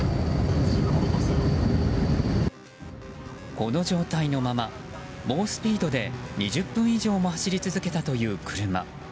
この状態のまま、猛スピードで２０分以上も走り続けたという車。